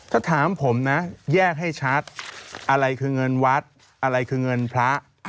ถ้าถามผมนะแยกให้ชัดอะไรคือเงินวัดอะไรคือเงินพระ